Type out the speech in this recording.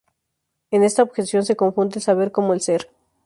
En esta objeción se confunde el saber con el ser.